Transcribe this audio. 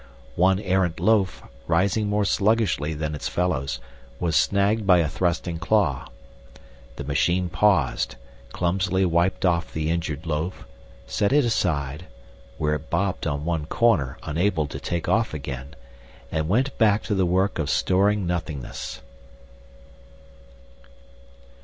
One errant loaf, rising more sluggishly than its fellows, was snagged by a thrusting claw. The machine paused, clumsily wiped off the injured loaf, set it aside where it bobbed on one corner, unable to take off again and went back to the work of storing nothingness.